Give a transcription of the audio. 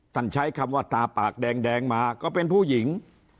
ใช้คำว่าตาปากแดงมาก็เป็นผู้หญิง